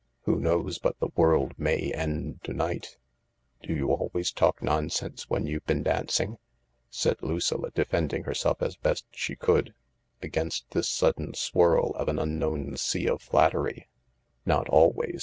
Who knows but the world may end to night ?"" Do you always talk nonsense when you've been danc ing ?" said Lucilla, defending herself as best she could against this sudden swirl of an unknown sea of flattery. "Not always.